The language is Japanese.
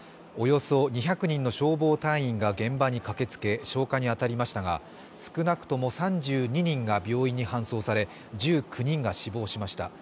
およそ２００人の消防隊員が現場に駆けつけ消火に当たりましたが、少なくとも３２人が病院に搬送され、１９人が死亡しました。